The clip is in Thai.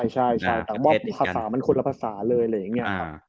ใช่แต่ว่าภาษามันคนละภาษาเลยอะไรอย่างนี้